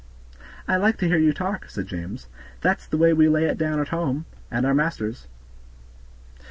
"I like to hear you talk," said James, "that's the way we lay it down at home, at our master's."